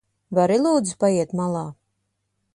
Vari lūdzu paiet malā?